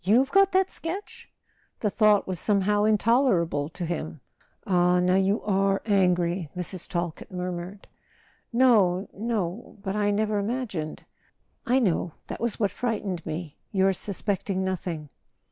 You've got that sketch?" The thought was somehow intoler¬ able to him. "Ah, now you are angry," Mrs. Talkett murmured. "No, no; but I never imagined " "I know. That was what frightened me—your sus¬ pecting nothing."